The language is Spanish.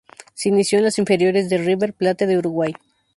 Se inició en las inferiores de River Plate de Uruguay.